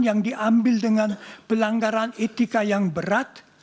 yang diambil dengan pelanggaran etika yang berat